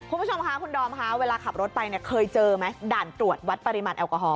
คุณผู้ชมค่ะคุณดอมค่ะเวลาขับรถไปเนี่ยเคยเจอไหมด่านตรวจวัดปริมาณแอลกอฮอล